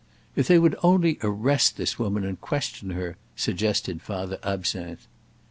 "If they would only arrest this woman and question her," suggested Father Absinthe.